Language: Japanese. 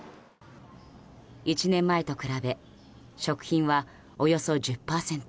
１年前と比べ食品はおよそ１０％